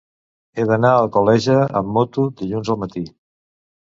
He d'anar a Alcoleja amb moto dilluns al matí.